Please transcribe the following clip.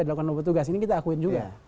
dalam penelopan tugas ini kita akuin juga